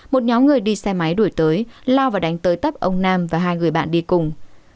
một nhóm người đi xe máy đuổi tới lao và đánh tới tấp ông nam và hai người bạn đi cùng